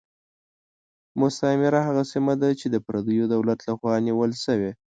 مستعمره هغه سیمه ده چې د پردیو دولت له خوا نیول شوې.